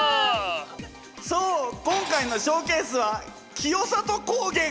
そう今回のショーケースは清里高原！